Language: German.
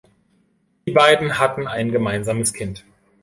Die beiden hatten ein gemeinsames Kind.